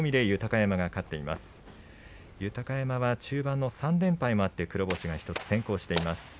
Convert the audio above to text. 豊山は中盤の３連敗もあって黒星が１つ先行しています。